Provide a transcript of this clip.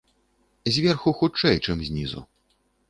Зверху хутчэй, чым знізу.